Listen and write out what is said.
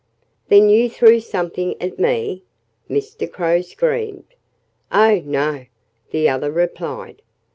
"Then you threw something at me!" Mr. Crow screamed. "Oh, no!" the other replied.